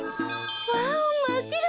ワオまっしろ！